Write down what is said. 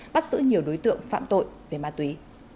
bắt giữ nhiều đối tượng phạm tội về ma túy